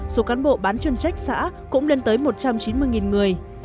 số cán bộ bán chuyên trách xã cũng lên tới một trăm chín mươi người